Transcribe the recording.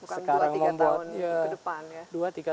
sekarang membuat bukan dua tiga tahun ke depan ya